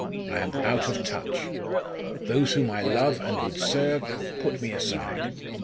I am out of touch. Those whom I love and would serve, put me aside.